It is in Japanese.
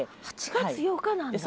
８月８日なんだ。